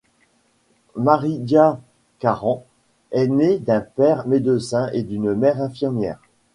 Marija Karan est née d'un père médecin et d'une mère infirmière.